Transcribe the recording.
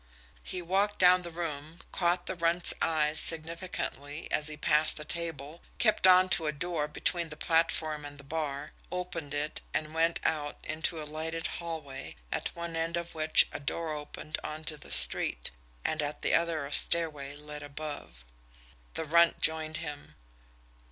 He walked down the room, caught the Runt's eyes significantly as he passed the table, kept on to a door between the platform and the bar, opened it, and went out into a lighted hallway, at one end of which a door opened onto the street, and at the other a stairway led above. The Runt joined him.